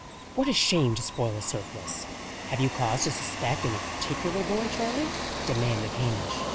"What a shame to spoil a surplice! Have you cause to suspect any particular boy, Charley?" demanded Hamish.